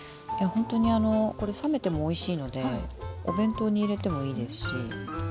本当にあのこれ冷めてもおいしいのでお弁当に入れてもいいですし。